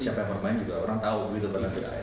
siapa yang bermain juga orang tahu begitu benar benar